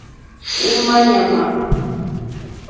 Ímá ŋmánà.